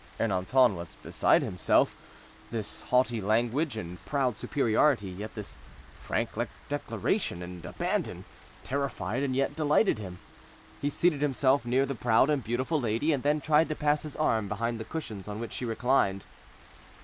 Ernanton was beside himself. This haughty language and proud superiority, yet this frank declaration and abandon, terrified and yet delighted him. He seated himself near the proud and beautiful lady, and then tried to pass his arm behind the cushions on which she reclined.